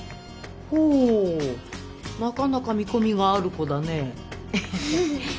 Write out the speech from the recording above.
ほうなかなか見込みがある子だね。